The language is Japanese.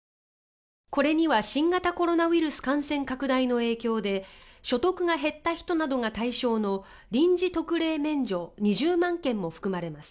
これには新型コロナウイルス感染拡大の影響で所得が減った人などが対象の臨時特例免除２０万件も含まれます。